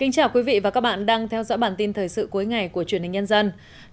chào mừng quý vị đến với bản tin thời sự cuối ngày của truyền hình nhân dân